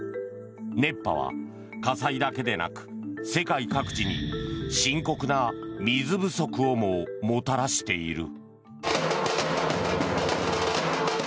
熱波は火災だけでなく世界各地に深刻な水不足をももたらしている。